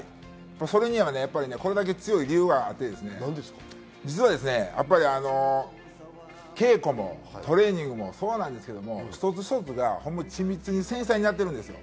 それにはこれだけ強い理由があって、実は稽古もトレーニングもそうなんですけど、一つ一つが緻密に繊細にやっています。